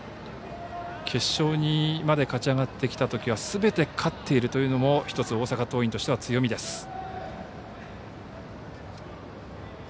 決勝まで勝ち上がってきたときはすべて勝っているというのも１つ大阪桐蔭としては強みです。